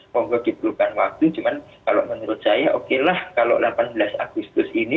semoga diperlukan waktu cuma kalau menurut saya okelah kalau delapan belas agustus ini